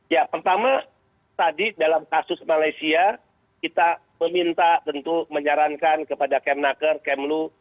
ya pertama tadi dalam kasus malaysia kita meminta tentu menyarankan kepada kemnaker kemlu